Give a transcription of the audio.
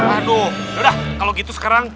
aduh udah kalau gitu sekarang